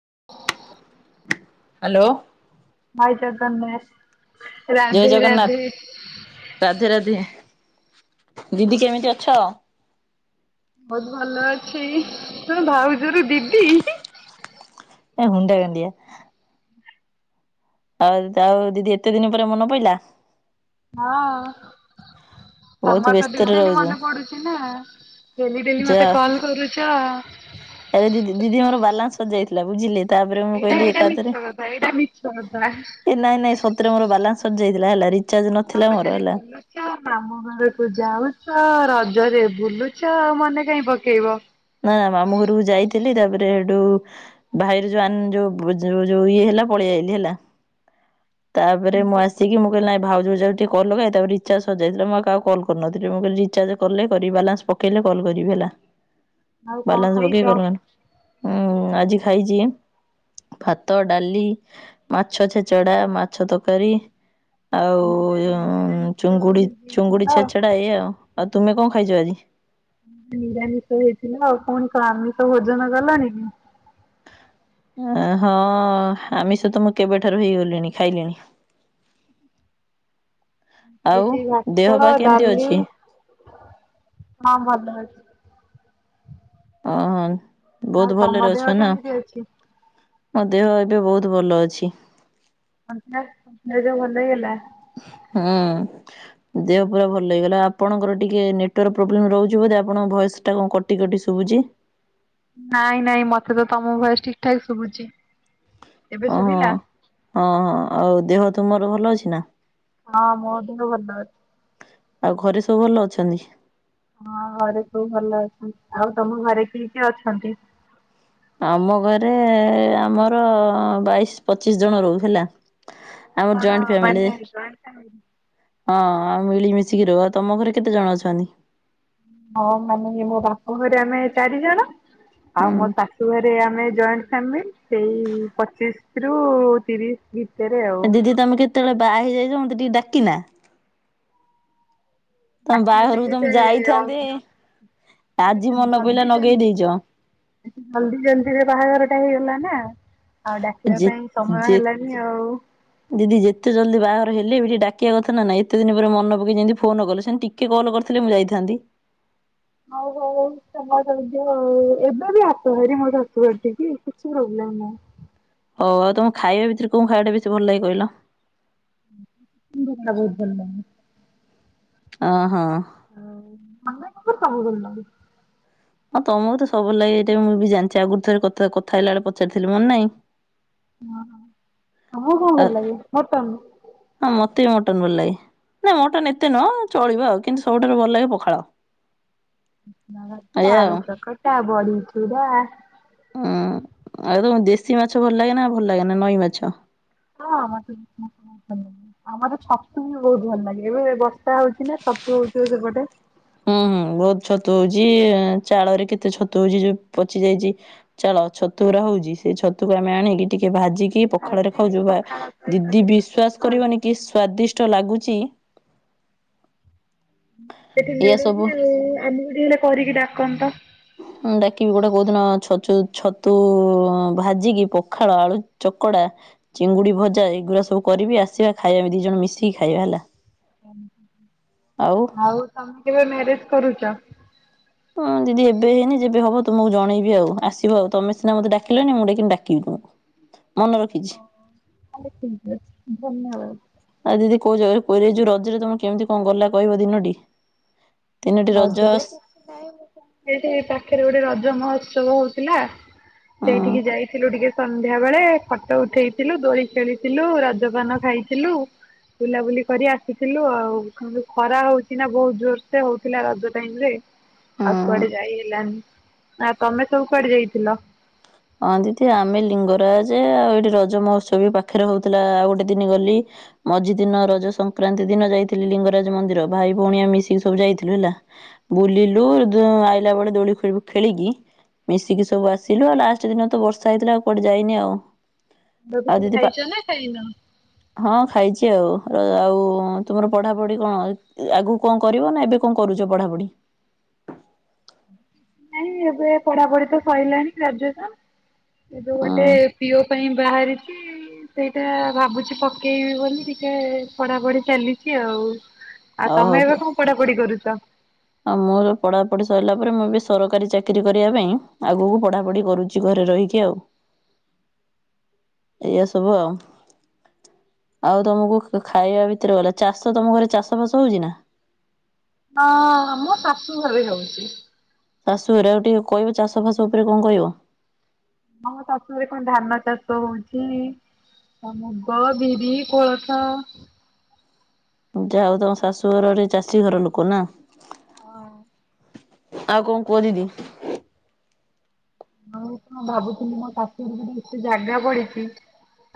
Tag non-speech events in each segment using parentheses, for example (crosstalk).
(inaudible) Hello! (unintelligible) ଜୟ ରାଧେ ରାଧେ ଜଗନ୍ନାଥ, ରାଧେ ରାଧେ। ଦିଦି କେମିତି ଅଛ? ବହୁତ ଭଲ ଅଛି, ତୁ ଭାଉଜରୁ ଦିଦି? ଏ ହୁଣ୍ଡାଗାଣ୍ଡୀଆ। ଆଉଦ ଆଉ ଦିଦି ଏତେ ଦିନ ପରେ ମନ ପଇଲା? ହଁ ବହୁତ ତମର ତ ଡେଲ୍ ବ୍ୟସ୍ତରେ ଡେଲି ରହୁଛୁ ମନେ ପଡୁଛି ନା? ଡେଲି ଡେଲି ଯା ମତେ କଲ କରୁଛ। ଆରେ ଦିଦି ଦିଦି ମୋର ବାଲାନ୍ସ ସରିଯାଇଥିଲା ବୁଝିଲେ। ତାପରେ ମୁଁ ଏଇଟା କହିଲି ଏଇଟା ମିଛ ଏକାଥରେ କଥା ଏଇଟା ମିଛ କଥା। ଏ ନାଇଁ ନାଇଁ ସତରେ ମୋର ବାଲାନ୍ସ ସରିଯାଇଥିଲା ହେଲା ରି ତମେ ପା ଖାଲି ବୁଲୁଛ, ମାମୁ ଘରକୁ ଯାାଉଛ ରଜରେ ବୁଲୁଛ ମନେ କାଇଁ ପକେଇବ? ନା ନା ମାମୁ ଘରକୁ ଯାଇଥିଲି ତାପରେ ହେଠୁ ଭାଇର ଯୋଉ ଆନ ଯୋଉ ଭୋ ଯୋଉ ଇଏ ହେଲା ଲା ପଲେଇଆଇଲି ହେଲା। ତାପରେ ମୁଁ ଆସିକି ମୁଁ କହିଲି ନାଇ ଭାଉଜକୁ ଯାଉଛି ଟିକେ କଲ ଲଗାଏ। ତାପରେ ରିଚାର୍ଜ ସରି ଯାଇଥିଲା ମୁଁ ଆଉ କାହାକୁ କଲ୍ କରୁନଥିଲି, ମୁଁ କହିଲି ରିଚାର୍ଜ କଲେ କରିବି ବାଲାନ୍ସ ପକେଇଲେ କଲ୍ କରିବି ହେଲା। ଆଉ କଣ ବାଲାନ୍ସ ଖାଇଛ? ପକେଇ କରିବାର। ଉଁ ଆଜି ଖାଇଛି ଭାତ, ଡାଲି, ମାଛ ଛେଚଡା ମାଛ ତକାରି। ଆଉ ନିରାମିଷ ଚୁଙ୍ଗୁଡି ଚୁଙ୍ଗୁଡି ହେଇଯାଇଥିଲା ଛେଚେଡା ଏଇଆଉ, ଆଉ ତୁମେ କଣ ଖା ଖାଇଚ ଆଜି? ନିରାମିଷ ହେଇଥିଲା ଆଉ ପୁଣି କଣ ଆମିଷ ଭୋଜନ କଲଣି କି? ଅ ହଁ ଆମିଷ ତ ମୁଁ କେବେଠାରୁ ହେଇଗଲିଣି ଖାଇଲିଣି। ଆଉ ହେଇଛି ଦେହ ଭାତ, ପା କେମିତି ଡାଲି ଅଛି? ହଁ ଭଲ ଅଛି। ଓହୋ ଆଉ ବହୁତ ତମ ଭଲରେ ଦେହ ଅଛ ନା? କେମିତି ଅଛି? ମୋ ଦେହ ଏବେ ବହୁତ ଭଲ ଅଛି। ହେଲା ହୁଁ ଦେହ ପୁରା ଭଲ ହେଇଗଲା, ଆପଣଙ୍କର ଟିକେ ନେଟୱର୍କ ପ୍ରୋବ୍ଲେମ ରହୁଛି ବୋଧେ ଆପଣଙ୍କ ଭ ସେଟା କଣ କଟି କଟି ଶୁଭୁଛି। ନାଇଁ ନାଇଁ ମତେ ତ ତମ ଭୟସ ଠିକ ଠାକ ଶୁଭୁଛି। ଏବେ ଓହୋ ଶୁଭିଲା? ହ ହଁ ଆଉ ଦେହ ତୁମର ଭଲ ଅଛି ନା? ହଁ ମୋ ଦେହ ଭଲ ଅଛି। ଆଉ ଘରେ ସବୁ ଭଲ ଅଛନ୍ତି? ହଁ ଘରେ ସବୁ ଭଲ ଅଛନ୍ତି, ଆଉ ତମ ଘରେ କିଏ କିଏ ଅଛନ୍ତି? ଆମ ଘରେ ଆମର ବାଇଶ ପଚିଶ ଜଣ ରହୁ ହେଲା। ଆମର କଣ ଜଏଣ୍ଟ ଫାମିଲି, ମାନେ ଜଏଣ୍ଟ ଫ୍ୟାମିଲି? ହଁ। ଉ ମିଳିମିଶିକି ରୁହ ତମ ଘରେ କେତେ ଜଣ ଅଛନ୍ତି? ହଁ ମାନେ ମୋ ବାପ ଘରେ ଆମେ ଚାରି ଜଣ ଆଉ ମୋ ହୁଁ ଶାଶୁଘରେ ଆମେ ଜଏଣ୍ଟ ଫାମିଲ ସେଇ ପଚିଶ ରୁ ତିରିଶ ଭି ଦିଦି ତମେ କେତେବେଳେ ବାହା ହେଇଯାଇଛ ମତେ ଟିକେ ଡାକିନା? ତମ ନାଚିବା ବାଘରକୁ ପାଇଁ ତମକୁ ଯାଇଥାନ୍ତି, ଏତେ ମାନେ ଆଜି ଏତେ ମନ ଜଲଦି ପାଇଲା ନଗେଇ ଜଲଦିରେ ଦେଇଛ। ଜଲଦି ଜଲଦିରେ ବାହାଘର ଟା ହେଇଗଲା ନା। ଆଉ ଡାକିବା ଯେ ପାଇଁ ସମୟ ଯେ ହେଲାନି ଆଉ। ଦିଦି ଯେତେ ଜଲଦି ବାହାଘର ହେଲେବି ଟିକେ ଡାକିବା କଥା ନା ଏତେ ଦିନ ପରେ ମନ ପକେଇ ଯେମିତି ଫୋନ କଲେ ସେମତି ଟିକେ କଲ କରିଥିଲେ ମୁଁ ଯାଇଥାନ୍ତି। ହଉ ହଉ ତମର (unintelligible) ଏବେ ବି ଆସ ଭାରି ମୋର ଶାଶୂ ଘର ଠିକି କିଛି ପ୍ରୋବ୍ଲେମ ନାଁ ନାଁ ହଉ ଆଉ ତମକୁ ଖାଇବା ଭିତରେ କୋଉ ଖାଇବାଟା ବେଶୀ ଭଲ ଲାଗେ କହିଲ? (unintelligible) ଅ ହଁ। (unintelligible) ହଁ ତମକୁ ତ ସବୁ ଲାଗେ ଏଇଟା ମୁଁ ବି ଜାଣିଛି ଆଗରୁ ଥରେ କଥା କଥା ହେଲା ବେଳେ ପଚାରିଥିଲି ମନେ ନାହିଁ। ହଁ ତମକୁ କଣ ଆ ଭଲ ଲାଗେ ମଟନ? ହଁ ମତେ ବି ମଟନ ଭଲଲାଗେ। ନାଇଁ ମଟନ୍‌ ଏତେ ନୁହଁ ଚଳିବ ଆଉ କିନ୍ତୁ ସବୁଠାରୁ ଭଲ ଲାଗେ ପଖାଳ। ଉଷୁନା ଭାତ, ଏଇଆ ଆଳୁ ଆଉ। ଚକଟା, ବଢି ଚୁରା। ହୁଁ ଆଉ ତମକୁ ଦେଶୀ ମାଛ ଭଲ ଲାଗେନା ଭଲଲାଗେନା ନଈ ମାଛ? ହଁ ମତେ (inaudible) ଆମର ଛତୁ ବି ବହୁତ ଭଲ ଲାଗେ ଏବେ ବର୍ଷା ହଉଛି ନା ଛ ଛତୁ ହୋଉଥିବ ସେପଟେ। ହୁଁ ହୁଁ ବହୁତ ଛତୁ ହଉଛି ଚାଳରେ କେତେ ଛତୁ ହଉଛି ଯୋଉ ପଚି ଯାଇଛି ଚାଳ ଛତୁୁରା ହଉଛି ସେ ଛତୁକୁ ଆମେ ଆଣିକି ଟିକେ ଭାଜିକି କି ପଖାଳ ରେ ଖାଉଛୁ ପା ଦିଦି ବିଶ୍ଵାସ କରିବନି କି ସ୍ଵାଦିଷ୍ଟ ଲାଗୁଚି। ସେଠି ମିଳୁଚି ଆଉ ଆମକୁ ଟିକେ ହେଲେ କରିକି ଡାକନ୍ତ? ହଁ ଡାକିବି ଗୋଟେ କୋଉଦିନ ହଁ ଛଚୁ ଛତୁ ଭାଜିକି ପଖାଳ, ଆଳୁ ଚକଡା, ଚିଙ୍ଗୁଡି ଭଜା ଅଗୁରା ସବୁ କରିବି ଆସିବା ଖାଇବା ଆମେ ଦି ଜଣ ମିଶିକି ଖାଇବା ହେଲା। ଆଉ ତମେ କେବେ ମ୍ୟାରେଜ କରୁଚ? ହଁ ଦିଦି ଏବେ ହେଇନି ଯେବେ ହବ ତମକୁ ଜଣେଇବି ଆଉ ଆସିବ ଆଉ ତମେ ସିନା ମତେ ଡାକିଲନି ମୁଁ ଡାକି କିନ୍ତୁ ଡାକିବି ତୁମକୁ। (inaudible) ମନେ ରଖିଛି। ହଁ ତାଆ ହେଲେ ପିନ୍ଧି ଦୋଉଚି ଧନ୍ୟବାଦ। ଆଉ ଦିଦି କୋଉ ଜାଗା ରେ ବୁଲିଯାଇଚୁ ଏ ଯୋଉ ରଜରେ ତମର କେମିତି କଣ ଗଲା କହିବ ଦିନଟି? ତିନୋଟି ରଜ ରଜରେ କିଛି ନାଇଁ ଏଇ ପାଖରେ ଗୋଟେ ରଜ ମହୋତ୍ସବ ହଉଥିଲା ହୁଁ ସେଇଠିକି ଯାଇଥିଲୁ ଟିକେ ସନ୍ଧ୍ୟା ବେଳେ ଫଟୋ ଉଠେଇଥିଲୁ ଦୋଳି ଖେଳିଥିଲୁ ରଜପାନ ଖାଇଥିଲୁ। ବୁଲାବୁଲି କରି ଆସିଥିଲୁ ଆଉ ଯୋଉ ଖରା ହଉଛି ନା ବହୁତ୍ ଜୋର ସେ ହଉ ଥିଲା ରଜ ଟାଇମ୍ ରେ ଆଉ ହୁଁ। କୁଆଡେ ଯାଇ ହେଲାନି ଆ ତମେ ସବୁ କୁଆଡେ ଯାଇଥିଲ? ହଁ ଦିଦି ଆମେ ଲିଙ୍ଗରାଜ ଆଉ ଏଇଠି ରଜ ମହୋତ୍ସବ ବି ପାଖରେ ହଉଥିଲା ଆଉ ଗୋଟେ ଦିନି ଗଲି। ମଝି ଦିନ ରଜ ସଂକ୍ରାନ୍ତି ଦିନ ଯାଇଥିଲି ଲିଙ୍ଗରାଜ ମନ୍ଦିର ଭାଇ ଭଉଣୀ ଆମେ ମିଶିକି ସବୁ ଯାଇଥିଲୁ ହେଲା। ବୁଲିଲୁ ଦୁ ଉ ଆଇଲା ବେଳେ ଦୋଳି ସବୁ ଖେଳିକି ମିଶିକି ସବୁ ଆସିଲୁ ଆଉ ଲାଷ୍ଟ ପାଞ୍ଚ ଦିନ ତ ବର୍ଷା ହେଇଥିଲା ଆଉ କୁଆଡେ ଯାଇନି ଆଉ। ଆଉ ଦିଦି ଖାଇଛ ନା ଖାଇନ? ପା-ହଁ ଖାଇଛି ଆଉ। ଆଉ-ତୁମର ପଢାପଢି କଣ ଆଗକୁ କଣ କରିବ ନା ଏବେ କଣ କରୁଚ ପଢାପଢି? ନାଇଁ ଏବେ ପଢାପଢି ତ ସଇଲାଣି ଗ୍ରାଜୁଏସନ୍। ଏବେ ହୁଁ ଗୋଟେ ପି ଓ ପାଇଁ ବାହାରିଛି (inaudible) ସେଇଟା ଭାବୁଛି ପକେଇବି ବୋଲି ଟିକେ ପଢା ପଢି ଚାଲିଛି ଆଉ। ଆଉ ତମେ ଏବେ କଣ ପଢାପଢି କରୁଚ? ଆଉ ମୋର ପଢାପଢି ସରିଲା ପରେ ମୁଁ ବି ସରକାରୀ ଚାକିରୀ କରିବା ପାଇଁ ଆଗକୁ ପଢାପଢି କରୁଛି ଘରେ ରହିକି ଆଉ। ଏଇଆ ସବୁ ଆଉ। ଆଉ ତମକୁ ଖାଇବା ଭିତରେ ଗଲା ଚାଷ ତମ ଘରେ ଚାଷ ଫାସ ହଉଛି ନା? ହଁ--ଆମ ଶାଶୁ ଘରେ ହେଉଛି। ଶାଶୁ ଘରେ ଆଉ ଟିକେ କଇବ ଚାଷ ଫାସ ଉପରେ କଣ କହିବ? ହଁ ଶାଶୁ ଘରେ କଣ ଧାନ ଚାଷ ହୋଉଚି ଆଉ ମୁଗ, ବିରି, କୋଳଥ ଯା ହଉ ତମ ଶାଶୁଘର ଗୋଟେ ଚାଷୀ ଘର ଲୋକ ନା? ହଁ। ଆଉ କଣ କୁଅ ଦିଦି? ଆଉ କଁ ଭାବୁଥିଲି ମୋ ଶାଶୁ ଘରେ ଯଦି ଏତେ ଜାଗା ପଡିଚି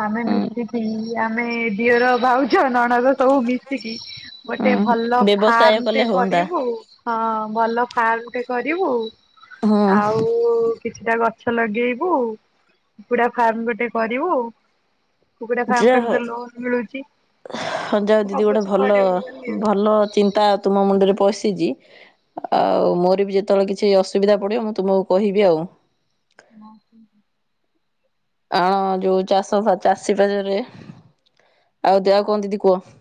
ଆମେ ହୁଁ ମିଶିକି ଆମେ ଦିଅର ଭାଉଜ ନଣକ ସବୁ ମିଶିକି ଗୋଟେ ହୁଁ ଭଲ ବ୍ୟବସାୟ କଲେ ଫାର୍ମଟେ ହୁଅନ୍ତା କରିବୁ ହଁ ଭଲ ଫାର୍ମ ଟେ କରିବୁ ହୁଁ ଆଉ କିଛିଟା ଗଛ ଲଗେଇବୁ କୁକୁଡ଼ା ଫାର୍ମ ଗୋଟେ କରିବୁ କୁକୁଡା ଫାର୍ମ ପାଇଁ ତ ଲୋନ୍ ମିଳୁଛି। ହଁ ଯାଅ ଦିଦି ଗୋଟେ ଭାବୁଛୁ ଭଲ କରିବୁ ବୋଲି ଭଲ ଚିନ୍ତା ତୁମ ମୁଣ୍ଡରେ ପଇସା ଆଉ ମୋର ବି ଯେତେବେଳେ କିଛି ଅସୁବିଧା ପଡିବ ମୁଁ ତୁମକୁ କହିବି ଆଉ। ହ। ଆଣ ଯୋଉ ଚାଷ ଚାଷୀ ବାଜରେ ଆଉ ଦେହଉ କୁହ ଦିଦି କୁହ?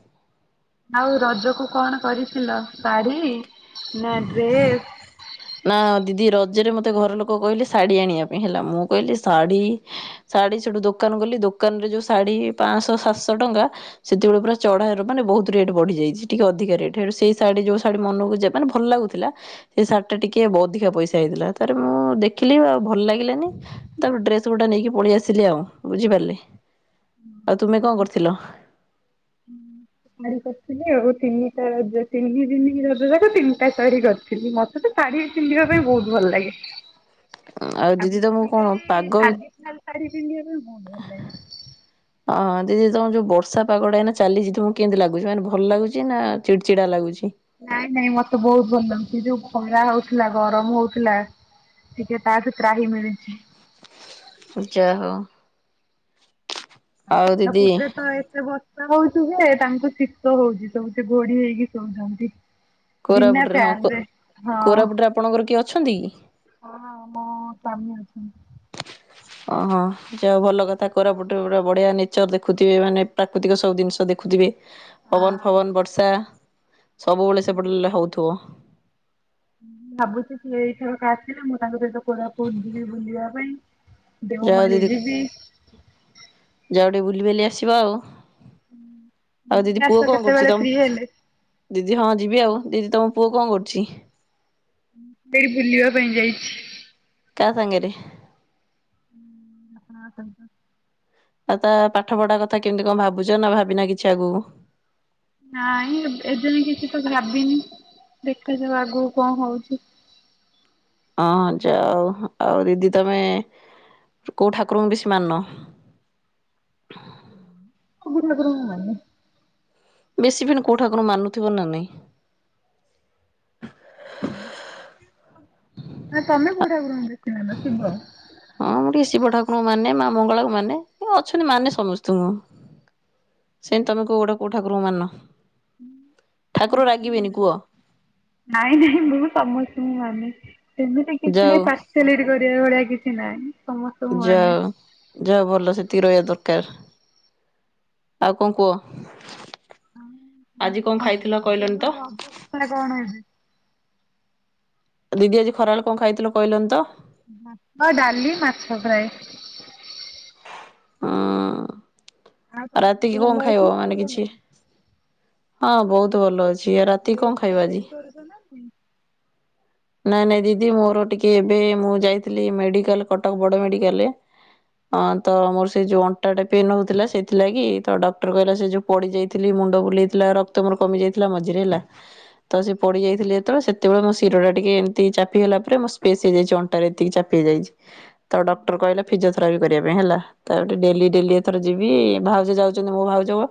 ଆଉ ରଜକୁ କଣ କରିଥିଲ ଶାଢୀ ନା ଡ୍ରେସ? ନା ଦିଦି ରଜରେ ମତେ ଘର ଲୋକ କହିଲେ ଶାଢୀ ଆଣିବା ପାଇଁ ହେଲା ମୁଁ କହିଲି ଶାଢୀ ଶାଢୀ ସେଠୁ ଦୋକାନ ଗଲି ଦୋକାନରେ ଯୋଉ ଶାଢୀ ପାଞ୍ଚଶହ ସାତଶହ ଟଙ୍କା ସେତବେଳେ ପୁରା ଚଢର ମାନେ ରେଟ ବଢି ଯାଇଛିି ଟିକେ ଅଧିକା ରେଟ ସେ ଶାଢ଼ୀ ଯଉ ଶାଢ଼ୀ ମନକୁ ଯା ମାନେ ଭଲ ଲାଗୁଥିଲା ସେ ଟିକେ ଅଧିକା ପଇସା ହେଇଥିଲା। ତରେ ମୁଁ ଦେଖିଲି ଆଉ ଭଲ ଲାଗିଲାନି ତାକୁ ଡ୍ରେସ ଗୁଟା ନେଇକି ପଳେଇ ଆସିଲି ଆଉ ବୁଝିପାରିଲି ଆଉ ତୁମେ କଣ କରୁଥିଲ? ହୁଁ। ର କରିଥିଲି ଆଉ ତିନିଟା ତିନି ଦିନି ରଜ ଯାକ ତିନିଟା ଶାରୀ କରିଥିଲି ମତେ ତ ଶାଢୀ ପିନ୍ଧିବା ପାଇଁ ବହୁତ ଭଲ ଲାଗେ। ଆଉ ଆ ଦିଦି ଶାଢୀ ତମକୁ କଣ ପାଗ ପିନ୍ଧିବା ପାଇଁ ବହୁତ ଭଲ ଲାଗେ। ହଁ। ଯେ ତମ ଯେଉଁ ବର୍ଷା ପାଗଟା ଏ ନା ଚାଲିଛିି ମୁଁ କେମିତି ଲାଗୁଛି ମାନେ ଭଲ ଲାଗୁଛି ନା ଚିଡ଼ଚିଡ଼ା ଲାଗୁଛି। ନାଇଁ ନାଇଁ ମତେ ବହୁତ ବଲସି ଥଣ୍ଡା ହଉଥିଲା ଗରମ ହଉଥିଲା ଟିକେ ତା ଭତ୍ରା ହିଁ ମିଳିଛି। ଯା ହଉ ଆଉ ଦିଦି କୁଟରେ ତ ଏତେ ବ ହଉଛୁ ଯେ ତାଙ୍କୁ ଶୀତ ହଉଛି ସବୁ ସେ ଗୋଢ ହେଇକି ଶୋଇଛନ୍ତି। କୋରାପୁଟରେ ହଁ ହଁ କୋରାପୁଟରେ ଆପଣଙ୍କର କିଏ ଅଛନ୍ତି କି! ହଁ ମୁଁ ସ୍ୱାମୀ ଓହୋ। ଯାହା ଭଲ କଥା କର ଗୋଟେ ଗୋଟେ ବଢ଼ିଆ ନେଚର୍ ଦେଖୁଥିବେ ମାନେ ପ୍ରାକୃତିକ ସବୁ ଜିନିଷ ଦେଖୁଥିବେ। ପବନ ଅଛନ୍ତି। ଫବନ ବର୍ଷା ସବୁବେଳେ ସେପଟେ ହଉଥିବ? ଭାବୁଛି ସେ ଏଇଥରକ ଆଥିଲେ ମୁଁ ତାଙ୍କ ସହିତ କୋରାପୁଟ ଯିବି ବୁଲିବା ପାଇଁ ଯାଅ ଦେଓମଳି ଦିଦି ଯିବି। ଗୋଟେ ବୁଲି ବଲି ଆସିବା ଆଉ ଆଉ ଦିଦି ଆସ ପୁଅ କଣ କରୁଛି କେତେବେଳେ ତମ ଫ୍ରି ହେଲେ ଦିଦି ହଁ ଯିବି ଆଉ। ଦିଦି ତମ ପୁଅ କଣ କରୁଛି? ବୁଲି ବା ପାଇଁଣିଜାଇଛି, । କା ସାଙ୍ଗରେ? (unintelligible) ଆଉ ତା ପାଠ ପଢା କଥା କେମିତି କଣ ଭାବୁଛ ନା ଭାବିନ କିଛି ଆଗକୁ? ନାଇ ଏଦିନ କିଛି ତ ଭାବିନି ଦେଖାଯୁ ଆଗକୁ କଣ ହଉଛି। ହଁ ଯଉ ଆଉ ଦିଦି ତମେ- କୋଉ ଠାକୁରଙ୍କୁ ବେଶୀ ମାନ? ସବୁ ଠାକୁର ଙ୍କୁ ମନେ। ବେଶୀ ଫନ୍ କୋଉଠାକୁର ମାନୁଥିବ ନା ନାଇଁ? (inaudible) ହଁ ତମେ ବେଶୀ କଉ ଠାକୁରଙ୍କୁ ମାନ, ଶିବ! ହଁ ମୁଁ ଟିକେ ଶିବ ଠାକୁରଙ୍କୁ ମାନେ, ମା ମଙ୍ଗଳାଙ୍କୁ ମାନେ ଅଛନ୍ତି ମାନେ ସମସ୍ତଙ୍କୁ। ସେମିତି ତମେ କେଉଁ ଗୋଡ଼େ କେଉଁଠାକୁତାଙ୍କୁ ମାନ? ଠାକୁର ରାଗିବେନି କୁହ। ନାଇଁ ନାଇଁ ମୁଁ ସମସ୍ତଙ୍କୁ ମାନେ। ସେମିତି କିଛି ଯାଉ ନାଇଁ ପାର୍ସିଆଲିଟୀ କରିବା ଭଳିଆ କିଛି ନାହିଁ। ସମସ୍ତଙ୍କୁ ମାନେ। ଯାଅ ଯାହୋଉ ଭାଲ । ରହିବା ଦରକାର ଆଉ କଣ କୁହ? ଆଜି କଣ ଖାଇଥିଲ କହିଲନି ଦେହର ତ? ଅବସ୍ଥା କଣ ଏବେ ଦିଦି ଆଜି ଖରାବେଳେ କଣ ଖାଇଥିଲ କହିଲନି ତ? ଭାତ ଡାଲି ମାଛ ଫ୍ରାଏ? ଆଉ ହୁଁ ତମେ ରାତିକି କଣ ଖାଇବ ମାନେ କିଛି ହଁ ବହୁତ ଭଲ ଅଛି। ରାତି ଆଉ କଣ ଖାଇବ ଆଜି? ଏକ୍ସରସାଇଜ କରୁଛ ନାଇ? ନାଇଁ ନାଇଁ ଦିଦି ମୋର ଟିକେ ଏବେ ମୁଁ ଯାଇଥିଲି ମେଡିକାଲ କଟକ ବଡ ମେଡିକାଲରେ ହଁ ତ ମୋର ସେ ଯୋଉ ଅଣ୍ଟା ଟା ପେନ୍ ହଉଥିଲା ସେଥିଲାଗି ତ ଡକ୍ଟର କହିଲା ସେ ଯୋଉ ପଡି ଯାଇଥିଲି। ମୁଣ୍ଡ ବୁଲଉଥିଲା ରକ୍ତ ମୋ କମି ଯାଇଥିଲା ମଝିରେ ହେଲା ତ ସେ ପଡିଯାଇଥିଲେ ଯେତେବେଳେ ସେ ତବେଳେ ମୋର ସିର ଫାତିଯାଇଥିଲା। ଟିକେ ଏମିତି ଚାପି ହେଲା ପରେ ମୋ ସ୍ପେସ ହେଇଯାଇଛି ଅଣ୍ଟାରେ ଏତିକି ଚାପି ହେଇଯାଇଛି। ତ ଡକ୍ଟର କହିଲେ ଫିଜିଓଥେରାପି କରିବା ପାଇଁ ହେଲା ତାଟେ ଡେଲି ଡେଲି ଏଥର ଯିବି ଭାଉଜ ଯାଉଛନ୍ତି ମୋ ଭାଉଜ ପା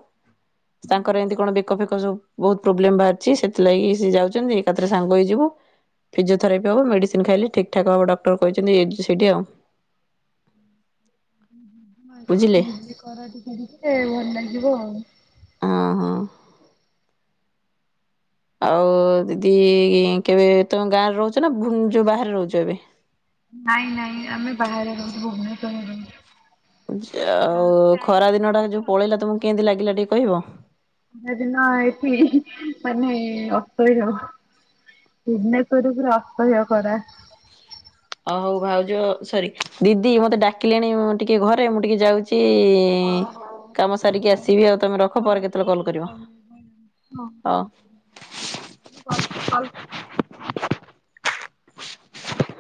ତାଙ୍କର ଏମିତି କଣ ବେକ ଫେକ ସବୁ ବହୁତ ପ୍ରୋବ୍ଲେମ ବାହାରିଛି ସେଥିଲାଗି ସେ ଯାଉଛନ୍ତି ଏକାଥରେ ସାଙ୍ଗ ହେଇଯିବୁ। ଫିଜିଓଥେରାପି ହେବ ମେଡ଼ିସିନ ଖାଇଲେ ଠିକ୍ ଠାକ୍ ହେବ ଡକ୍ଟର କହିଛନ୍ତି ଏଟି ସେଇଠି ଆଉ ହୁଁ ଖରା ଟିକେ ବୁଝିଲେ ହୋଇଥିଲେ ଭଲ ଲାଗିବ । ହଁ ହଁ। ଆଉ ଦିଦି କେବେ ତମ ଗାଁରେ ରହୁଛ ନା ଯୋଉ ବାହାରେ ରହୁଛ ଏବେ? ନାଇଁ ନାଇଁ ଆମେ ବାହାରେ ରହୁଛୁ ଭୁବନେଶ୍ୱର ରେ ରହୁଛୁ। ଗାଁ ଜାହୋଉ ଖରା ଦିନ ଟା ଯୋଉ ପଳେଇଲା ତମକୁ କେମିତି ଲାଗିଲା ଟିକେ କହିବ? ଦିନ ଏଇଟି ମାନେ ଅସୟ ଭୁବନେଶ୍ୱର ରେ ପୁରା ଅସହ୍ୟ ଖରା। ଅ ହଉ ଭାଉଜ ସରି ଦିଦି ମତେ ଡାକିଲେଣି ମୁଁ ଟିକେ ଘରେ ମୁଁ ଟିକେ ଯାଉଛି ଅ ହୋ କାମ ସାରିକି ହଁ ଆସିବି ଆଉ ତମେ ରଖ ପରେ ହଉ କେତେବେଳେ କଲ୍ କରିବ ଠିକ ହଉ। ଅଛି। (unintelligible)